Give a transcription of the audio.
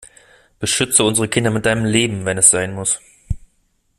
Beschütze unsere Kinder mit deinem Leben, wenn es sein muss!